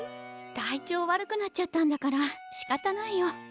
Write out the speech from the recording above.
体調悪くなっちゃったんだからしかたないよ。